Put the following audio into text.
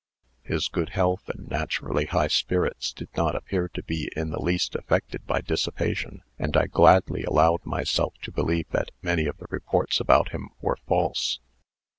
His good health and naturally high spirits did not appear to be in the least affected by dissipation, and I gladly allowed myself to believe that many of the reports about him were false.